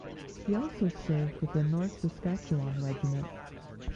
He also served with the North Saskatchewan Regiment.